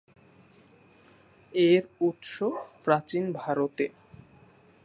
এর উৎস প্রাচীন ভারতে।